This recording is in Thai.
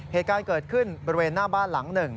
เหตุการณ์เกิดขึ้นบริเวณหน้าบ้านหลังหนึ่ง